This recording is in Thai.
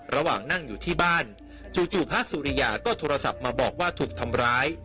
ระหว่างนั่งอยู่ที่บ้านจู่พระสุริยาก็โทรศัพท์มาบอกว่าถูกทำร้าย